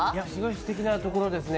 ステキなところですね。